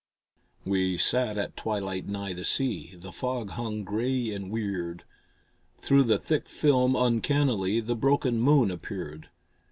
We sat at twilight nigh the sea, The fog hung gray and weird. Through the thick film uncannily The broken moon appeared.